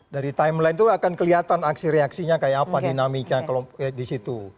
dari timeline itu akan kelihatan aksi reaksinya kayak apa dinamika di situ